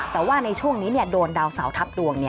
แต่ว่าในช่วงนี้โดนดาวเสาทับดวง